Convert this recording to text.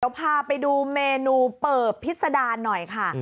เดี๋ยวพาไปดูเมนูเปิบพิษดาหน่อยค่ะ